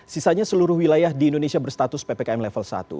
sisanya seluruh wilayah di indonesia berstatus ppkm level satu